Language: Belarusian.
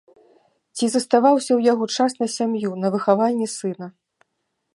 Ці заставаўся ў яго час на сям'ю, на выхаванне сына?